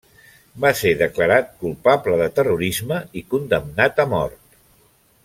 Va ser declarat culpable de terrorisme i condemnat a mort.